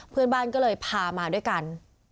เพื่อนบ้านก็เลยพามาด้วยกัน